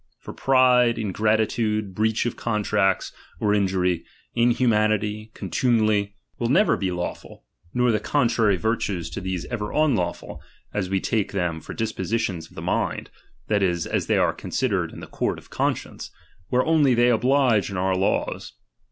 For pride, ingratitude, breach of contracts (or in Jury), inhumanity, contumely, will never be law ful, nor the contrary virtues to these ever un lawful, as we take thera for dispositions of the mind, that is, as they are considered in the court of conscience, where only they oblige and are laws.